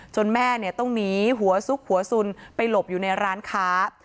แม่ต้องหนีหัวซุกหัวสุนไปหลบอยู่ในร้านค้า